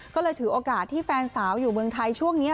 ก็เลยถือโอกาสที่แฟนสาวอยู่เมืองไทยช่วงนี้